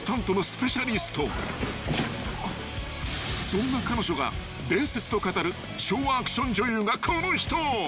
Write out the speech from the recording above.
［そんな彼女が伝説と語る昭和アクション女優がこの人］